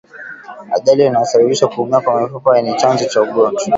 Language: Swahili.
Ajali inayosababisha kuumia kwa mifupa ni chanzo cha ugonjwa